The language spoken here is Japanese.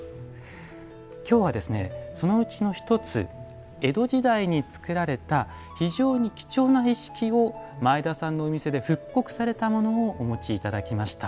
きょうは、そのうちの１つ江戸時代に作られた非常に貴重な一式を前田さんのお店で復刻されたものをお持ちいただきました。